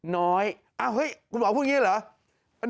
น้อยคุณหมอพูดอย่างนี้เหรอ